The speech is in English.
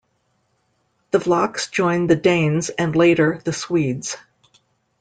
The Vlachs joined the Danes, and later, the Swedes.